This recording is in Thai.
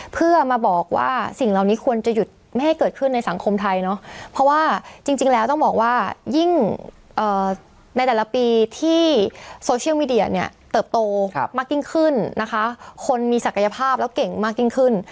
เพื่อมาบอกว่าสิ่งเหล่านี้ควรจะหยุดไม่ให้เกิดขึ้นในสังคมไทยเนอะเพราะว่าจริงแล้วต้องบอกว่ายิ่งในแต่ละปีที่โซเชียลมีเดียเนี่ยเติบโตมากยิ่งขึ้นนะคะคนมีศักยภาพแล้วเก่งมากยิ่งขึ้น